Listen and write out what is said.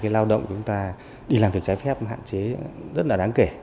lao động của chúng ta đi làm việc trái phép hạn chế rất là đáng kể